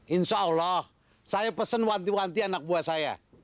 insya allah saya pesen wanti wanti anak buah saya